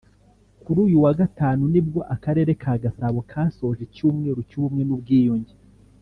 Kuri uyu wa Gatanu nibwo Akarere ka Gasabo kasoje icyumweru cy’ubumwe n’ubwiyunge